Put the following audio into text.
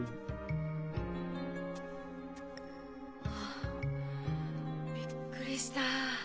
あびっくりした。